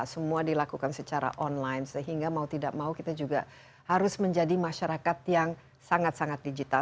semua dilakukan secara online sehingga mau tidak mau kita juga harus menjadi masyarakat yang sangat sangat digital